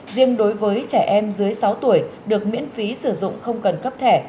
riêng đối với trẻ em dưới sáu tuổi được miễn phí sử dụng không cấp